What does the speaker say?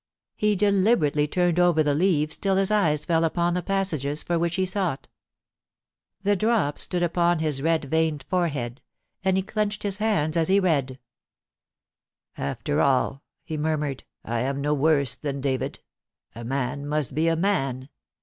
He deliberately turned over the leaves till his eyes fell upon the passages for which he sought ... The drops stood upon his red veined forehead, and he clenched his hands as he read * After all,* he murmured, * I am no worse than David A man must be a man.